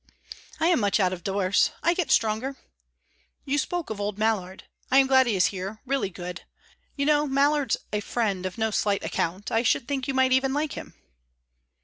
"I am much out of doors. I get stronger." "You spoke of old Mallard. I'm glad he is here, really glad. You know, Mallard's a fellow of no slight account; I should think you might even like him."